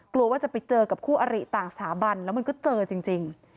กลัวว่าจะไปเจอกับคู่อริต่างสถาบันแล้วมันก็เจอจริง